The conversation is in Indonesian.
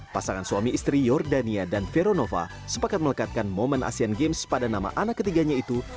pasangan suami istri yordania dan veronova sepakat melekatkan momen asean games pada nama anak ketiganya itu